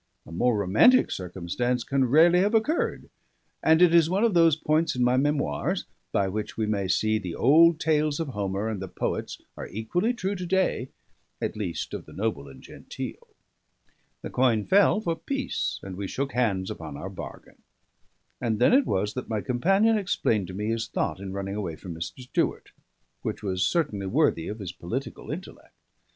A more romantic circumstance can rarely have occurred; and it is one of those points in my memoirs, by which we may see the old tales of Homer and the poets are equally true to day at least, of the noble and genteel. The coin fell for peace, and we shook hands upon our bargain. And then it was that my companion explained to me his thought in running away from Mr. Stewart, which was certainly worthy of his political intellect.